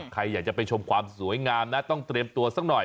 ใครอยากจะไปชมความสวยงามนะต้องเตรียมตัวสักหน่อย